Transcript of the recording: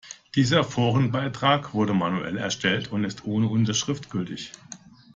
Dieser Forenbeitrag wurde manuell erstellt und ist ohne Unterschrift gültig.